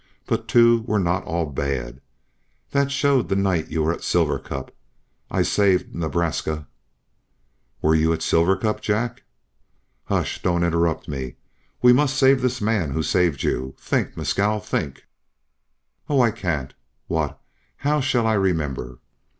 But two were not all bad. That showed the night you were at Silver Cup. I saved Nebraska " "Were you at Silver Cup? Jack!" "Hush! don't interrupt me. We must save this man who saved you. Think! Mescal! Think!" "Oh! I can't. What how shall I remember?"